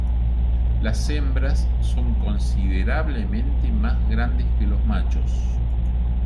Las hembras son considerablemente más grandes que los machos.